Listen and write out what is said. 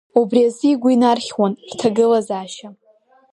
Убри азы игәы инархьуан рҭагылазаашьа.